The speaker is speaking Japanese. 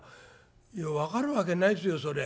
「いや分かるわけないですよそれ。